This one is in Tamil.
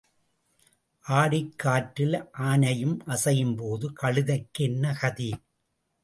ஆடிக் காற்றில் ஆனையும் அசையும் போது கழுதைக்கு என்ன கதி?